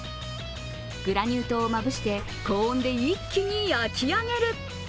グラニュー糖をまぶして、高温で一気に焼き上げる。